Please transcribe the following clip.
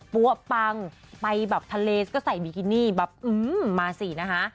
ปั้วปังไปแบบธาเลก็ใส่บิกินิแบบหืมมาสินะคะ